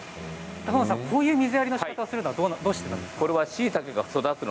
高野さん、こういう水やりのしかたというのはどうしてなんですか？